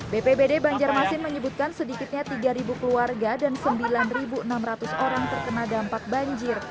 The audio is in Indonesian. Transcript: bpbd banjarmasin menyebutkan sedikitnya tiga keluarga dan sembilan enam ratus orang terkena dampak banjir